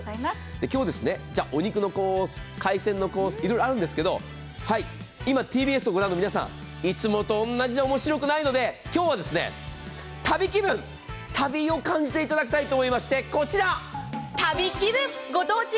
今日、お肉や海鮮のコース、いろいろあるんですけど、今ＴＢＳをご覧の皆さんいつもと同じじゃ面白くないので今日は旅気分、旅を感じていただきたいと思いまして、こちら。